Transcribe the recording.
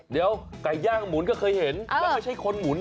เดี๋ยวไก่ย่างหมุนก็เคยเห็นแล้วไม่ใช่คนหมุน